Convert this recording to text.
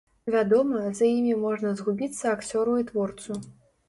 Вядома, за імі можна згубіцца акцёру і творцу.